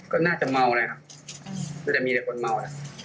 ก็น่าจะเมาเลยครับแล้วจะมีแต่คนเมานะครับ